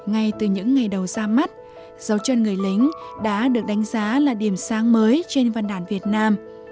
giáo dục xa mắt dấu chân người lính đã được đánh giá là điểm sáng mới trên văn đàn việt nam